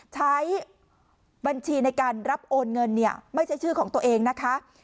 ใช้บัญชีในการรับโอนเงินเนี่ยไม่ใช่ชื่อของตัวเองนะคะ